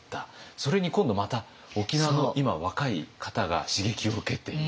それに今度また沖縄の今若い方が刺激を受けている。